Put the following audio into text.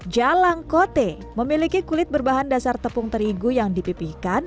jalangkote memiliki kulit berbahan dasar tepung terigu yang dipipihkan